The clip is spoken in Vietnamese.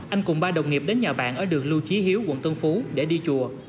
anh cùng ba đồng nghiệp đến nhà bạn ở đường lưu trí hiếu quận tân phú để đi chùa